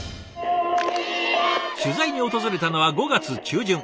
取材に訪れたのは５月中旬。